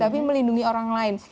tapi melindungi orang lain